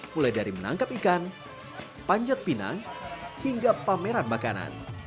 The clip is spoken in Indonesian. mulai dari menangkap ikan panjat pinang hingga pameran makanan